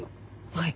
はい。